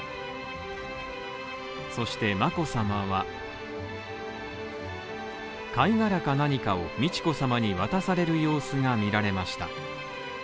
そして、眞子さまは貝殻か何かを美智子さまに渡される様子が見られました。